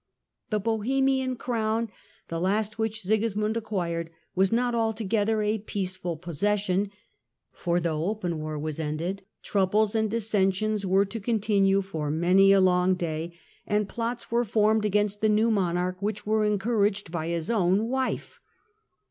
The Bohemian crown, the last which Sigismund ac quired, was not altogether a peaceful possession, for though open war was ended, troubles and dissensions were to continue for many a long day, and plots were formed 174 THE END OF THE MIDDLE AGE against the new monarch which were encouraged by his own wife.